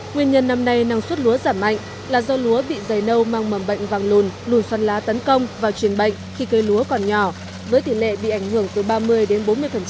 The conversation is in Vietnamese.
nguyên nhân năm nay năng suất lúa giảm mạnh là do lúa bị dày nâu mang mầm bệnh vang lùn lùn xoắn lá tấn công vào truyền bệnh khi cây lúa còn nhỏ với tỷ lệ bị ảnh hưởng từ ba mươi đến bốn mươi